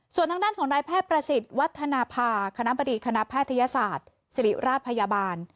ส่วนทางด้านของนายแพทย์ประสิทธิ์วัฒนภาคณะบดีคณะแพทยศาสตร์ศิริราชพยาบาล